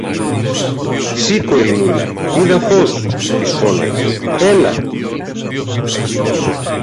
Σήκω, Ειρηνούλα, είδα φως, της φώναξε. Έλα!